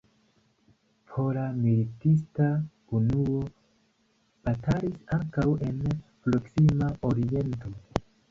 Pola militista unuo batalis ankaŭ en Proksima Oriento.